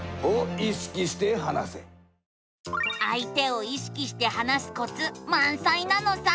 あい手を意識して話すコツまんさいなのさ。